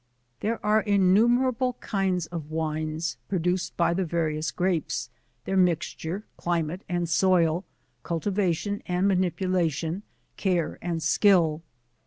There are innumerable kinds of C 30 VITIS, OR Wines produced by the various Grapes, their mixture* climate and soil, cultivation and manipulation, care and skill.